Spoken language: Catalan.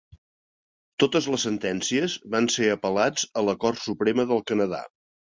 Totes les sentències van ser apel·lats a la Cort Suprema del Canadà.